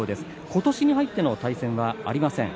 ことし入っての対戦はありません。